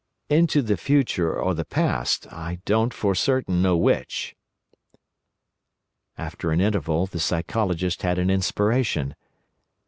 "Into the future or the past—I don't, for certain, know which." After an interval the Psychologist had an inspiration.